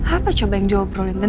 apa coba yang jawab bro linden